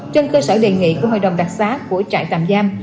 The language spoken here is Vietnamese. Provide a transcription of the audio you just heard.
trên cơ sở đề nghị của hội đồng đặc xá của trại tạm giam